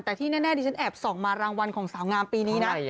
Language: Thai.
แต่ที่แน่ดิฉันแอบส่องมารางวัลของสาวงามปีนี้นะ